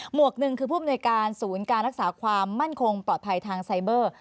วกหนึ่งคือผู้อำนวยการศูนย์การรักษาความมั่นคงปลอดภัยทางไซเบอร์